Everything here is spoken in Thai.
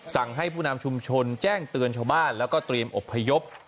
สั่งให้ผู้นำชุมชนแจ้งเตือนชาวบ้านแล้วก็เตรียมอบพยพ